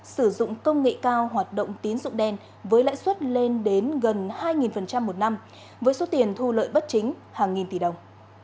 sử dụng công nghệ cao hoạt động tín dụng đen với lãi suất lên đến gần hai một năm với số tiền thu lợi bất chính hàng nghìn tỷ đồng